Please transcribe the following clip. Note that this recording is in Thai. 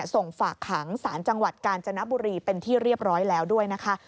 ส่งฝากขังสารจังหวัดกาญจนบุรีเป็นที่เรียบร้อยแล้วด้วยนะคะ